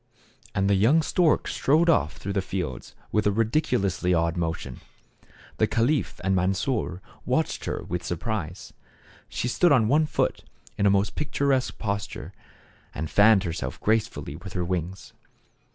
And the young stork strode off through the fields with a ridiculously odd motion. The caliph and Mansor watched her with surprise. She stood on one foot in a most picturesque posture, and fanned herself gracefully with her wings.